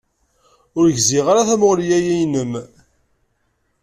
Ur gziɣ ara tamuɣli-ya-inem.